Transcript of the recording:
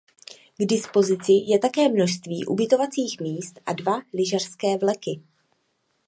K dispozici je také množství ubytovacích míst a dva lyžařské vleky.